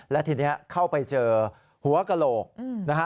และทีนี้เข้าไปเจอหัวกระโหลกนะฮะ